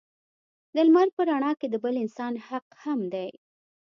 د لمر په رڼا کې د بل انسان حق هم دی.